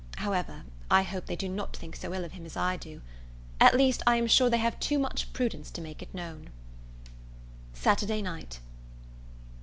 However, I hope they do not think so ill of him as I do. At least, I am sure they have too much prudence to make it known. Saturday Night.